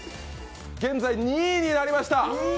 現在、２位になりました。